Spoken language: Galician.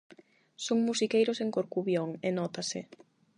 Son musiqueiros en Corcubión, e nótase.